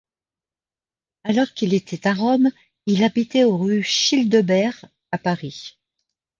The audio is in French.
Alors qu'il était à Rome, il habitait au rue Childebert à Paris.